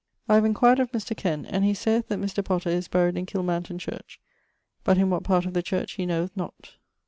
I have enquired of Mr. Kent; and hee sayth that Mr. Potter is buryed in Killmanton church, but in what part of the church hee knoweth not.